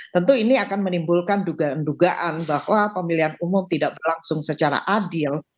tentu ini akan menimbulkan dugaan dugaan bahwa pemilihan umum tidak berlangsung secara adil